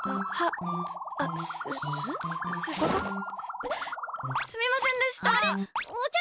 す、すすみませんでした！